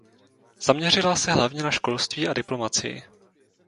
Zaměřila se hlavně na školství a diplomacii.